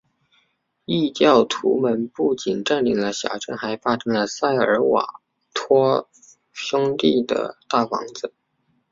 异教徒们不仅占领了小镇还霸占了塞尔瓦托兄弟的大房子。